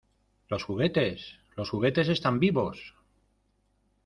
¡ Los juguetes! ¡ los juguetes están vivos !